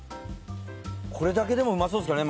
これだけでもうまそうですけどね。